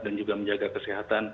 dan juga menjaga kesehatan